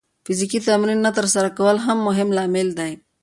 فزیکي تمرین نه ترسره کول هم مهم لامل دی.